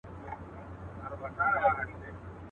په خوی چنګېز یې په زړه سکندر یې.